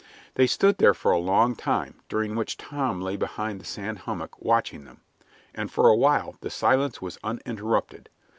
They stood there for a long time, during which Tom lay behind the sand hummock watching them, and for a while the silence was uninterrupted.